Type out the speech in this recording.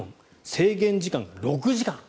制限時間が６時間。